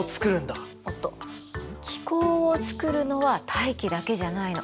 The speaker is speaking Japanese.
おっと気候をつくるのは大気だけじゃないの。